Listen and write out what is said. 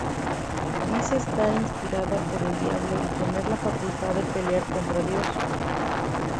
Dice estar inspirada por el Diablo y tener la facultad de pelear contra Dios.